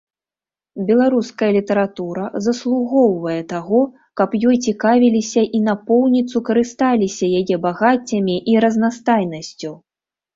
Беларуская літаратура заслугоўвае таго, каб ёй цікавіліся і напоўніцу карысталіся яе багаццямі і разнастайнасцю.